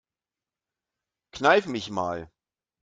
Kneif mich mal.